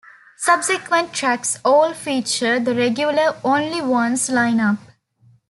Subsequent tracks all feature the regular Only Ones line-up.